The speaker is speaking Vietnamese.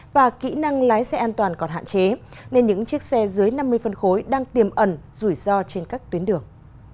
và kỹ năng lái xe an toàn còn hạn chế nên những chiếc xe dưới năm mươi phân khối đang tiềm ẩn rủi ro trên các tuyến đường